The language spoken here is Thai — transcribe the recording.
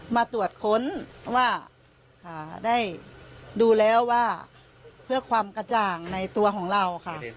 มาตรวจค้นว่าได้ดูแล้วว่าเพื่อความกระจ่างในตัวของเราค่ะ